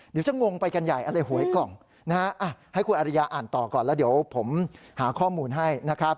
งงไปกันใหญ่อะไรหวยกล่องนะฮะให้คุณอริยาอ่านต่อก่อนแล้วเดี๋ยวผมหาข้อมูลให้นะครับ